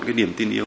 cái điểm tin yêu